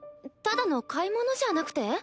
ただの買い物じゃなくて？